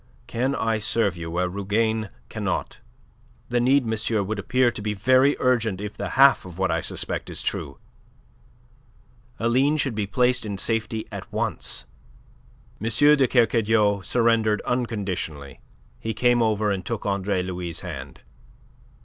Can I serve you where Rougane cannot? The need, monsieur, would appear to be very urgent if the half of what I suspect is true. Aline should be placed in safety at once." M. de Kercadiou surrendered unconditionally. He came over and took Andre Louis' hand.